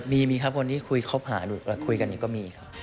มีครับคนที่คุยครอบหาคุยกันก็มีครับ